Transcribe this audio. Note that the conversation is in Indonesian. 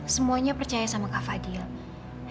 semuanya percaya sama kak fadil